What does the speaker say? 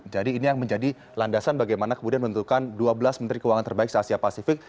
jadi ini yang menjadi landasan bagaimana kemudian menentukan dua belas menteri keuangan terbaik se asia pasifik